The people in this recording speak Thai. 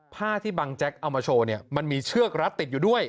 ผ้าที่บังแจ๊กเอามาโชว์เนี่ยมันมีเชือกรัดติดอยู่ด้วย